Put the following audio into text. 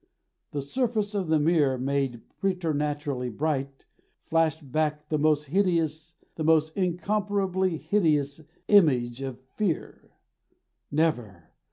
The surface of the mirror, made preternaturally bright, flashed back the most hideous, the most incomparably HIDEOUS image of Fear. Never!